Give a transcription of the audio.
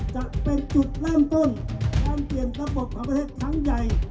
จะเป็นจุดเริ่มต้นการเปลี่ยนระบบของประเทศครั้งใหญ่